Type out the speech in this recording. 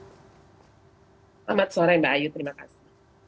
selamat sore mbak ayu terima kasih